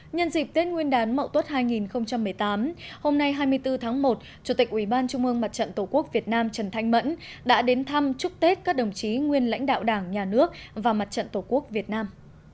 nhân dịp tết nguyên đán mậu tuất hai nghìn một mươi tám hôm nay hai mươi bốn tháng một chủ tịch ủy ban trung ương mặt trận tổ quốc việt nam trần thanh mẫn đã đến thăm chúc tết các đồng chí nguyên lãnh đạo đảng nhà nước và mặt trận tổ quốc việt nam